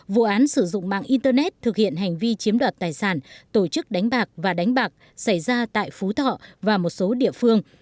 vụ án sử dụng mạng internet thực hiện hành vi chiếm đoạt tài sản tổ chức đánh bạc và đánh bạc xảy ra tại phú thọ và một số địa phương